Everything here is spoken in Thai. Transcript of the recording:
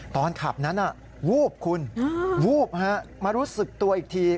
ตอนขับนั้นวูบคุณวูบมารู้สึกตัวอีกที